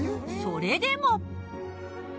それでも。